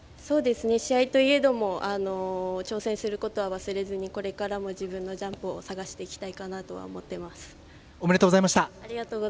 試合といえども挑戦することは忘れずにこれからも自分のジャンプを探していきたいかなとはおめでとうございました。